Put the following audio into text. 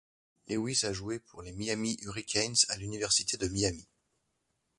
Lewis a joué pour les Miami Hurricanes à l'Université de Miami.